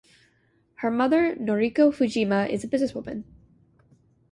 Her mother Noriko Fujima is a businesswoman.